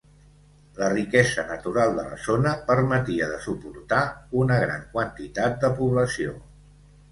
La riquesa natural de la zona permetia de suportar una gran quantitat de població.